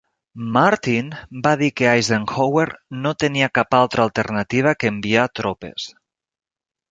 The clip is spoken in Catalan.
Martin va dir que Eisenhower no tenia cap altra alternativa que enviar tropes.